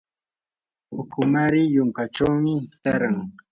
ukumari yunkachawmi taaran.